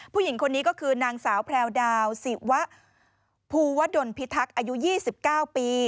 ผู้หญิงคนนี้ก็คือนางสาวแพรวดาวศิวะภูวดลพิทักษ์อายุ๒๙ปี